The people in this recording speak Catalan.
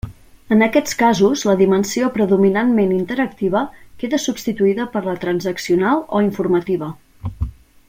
En aquests casos la dimensió predominantment interactiva queda substituïda per la transaccional o informativa.